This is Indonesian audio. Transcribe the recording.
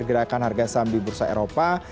gerakan harga saham di bursa eropa